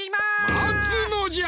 まつのじゃ！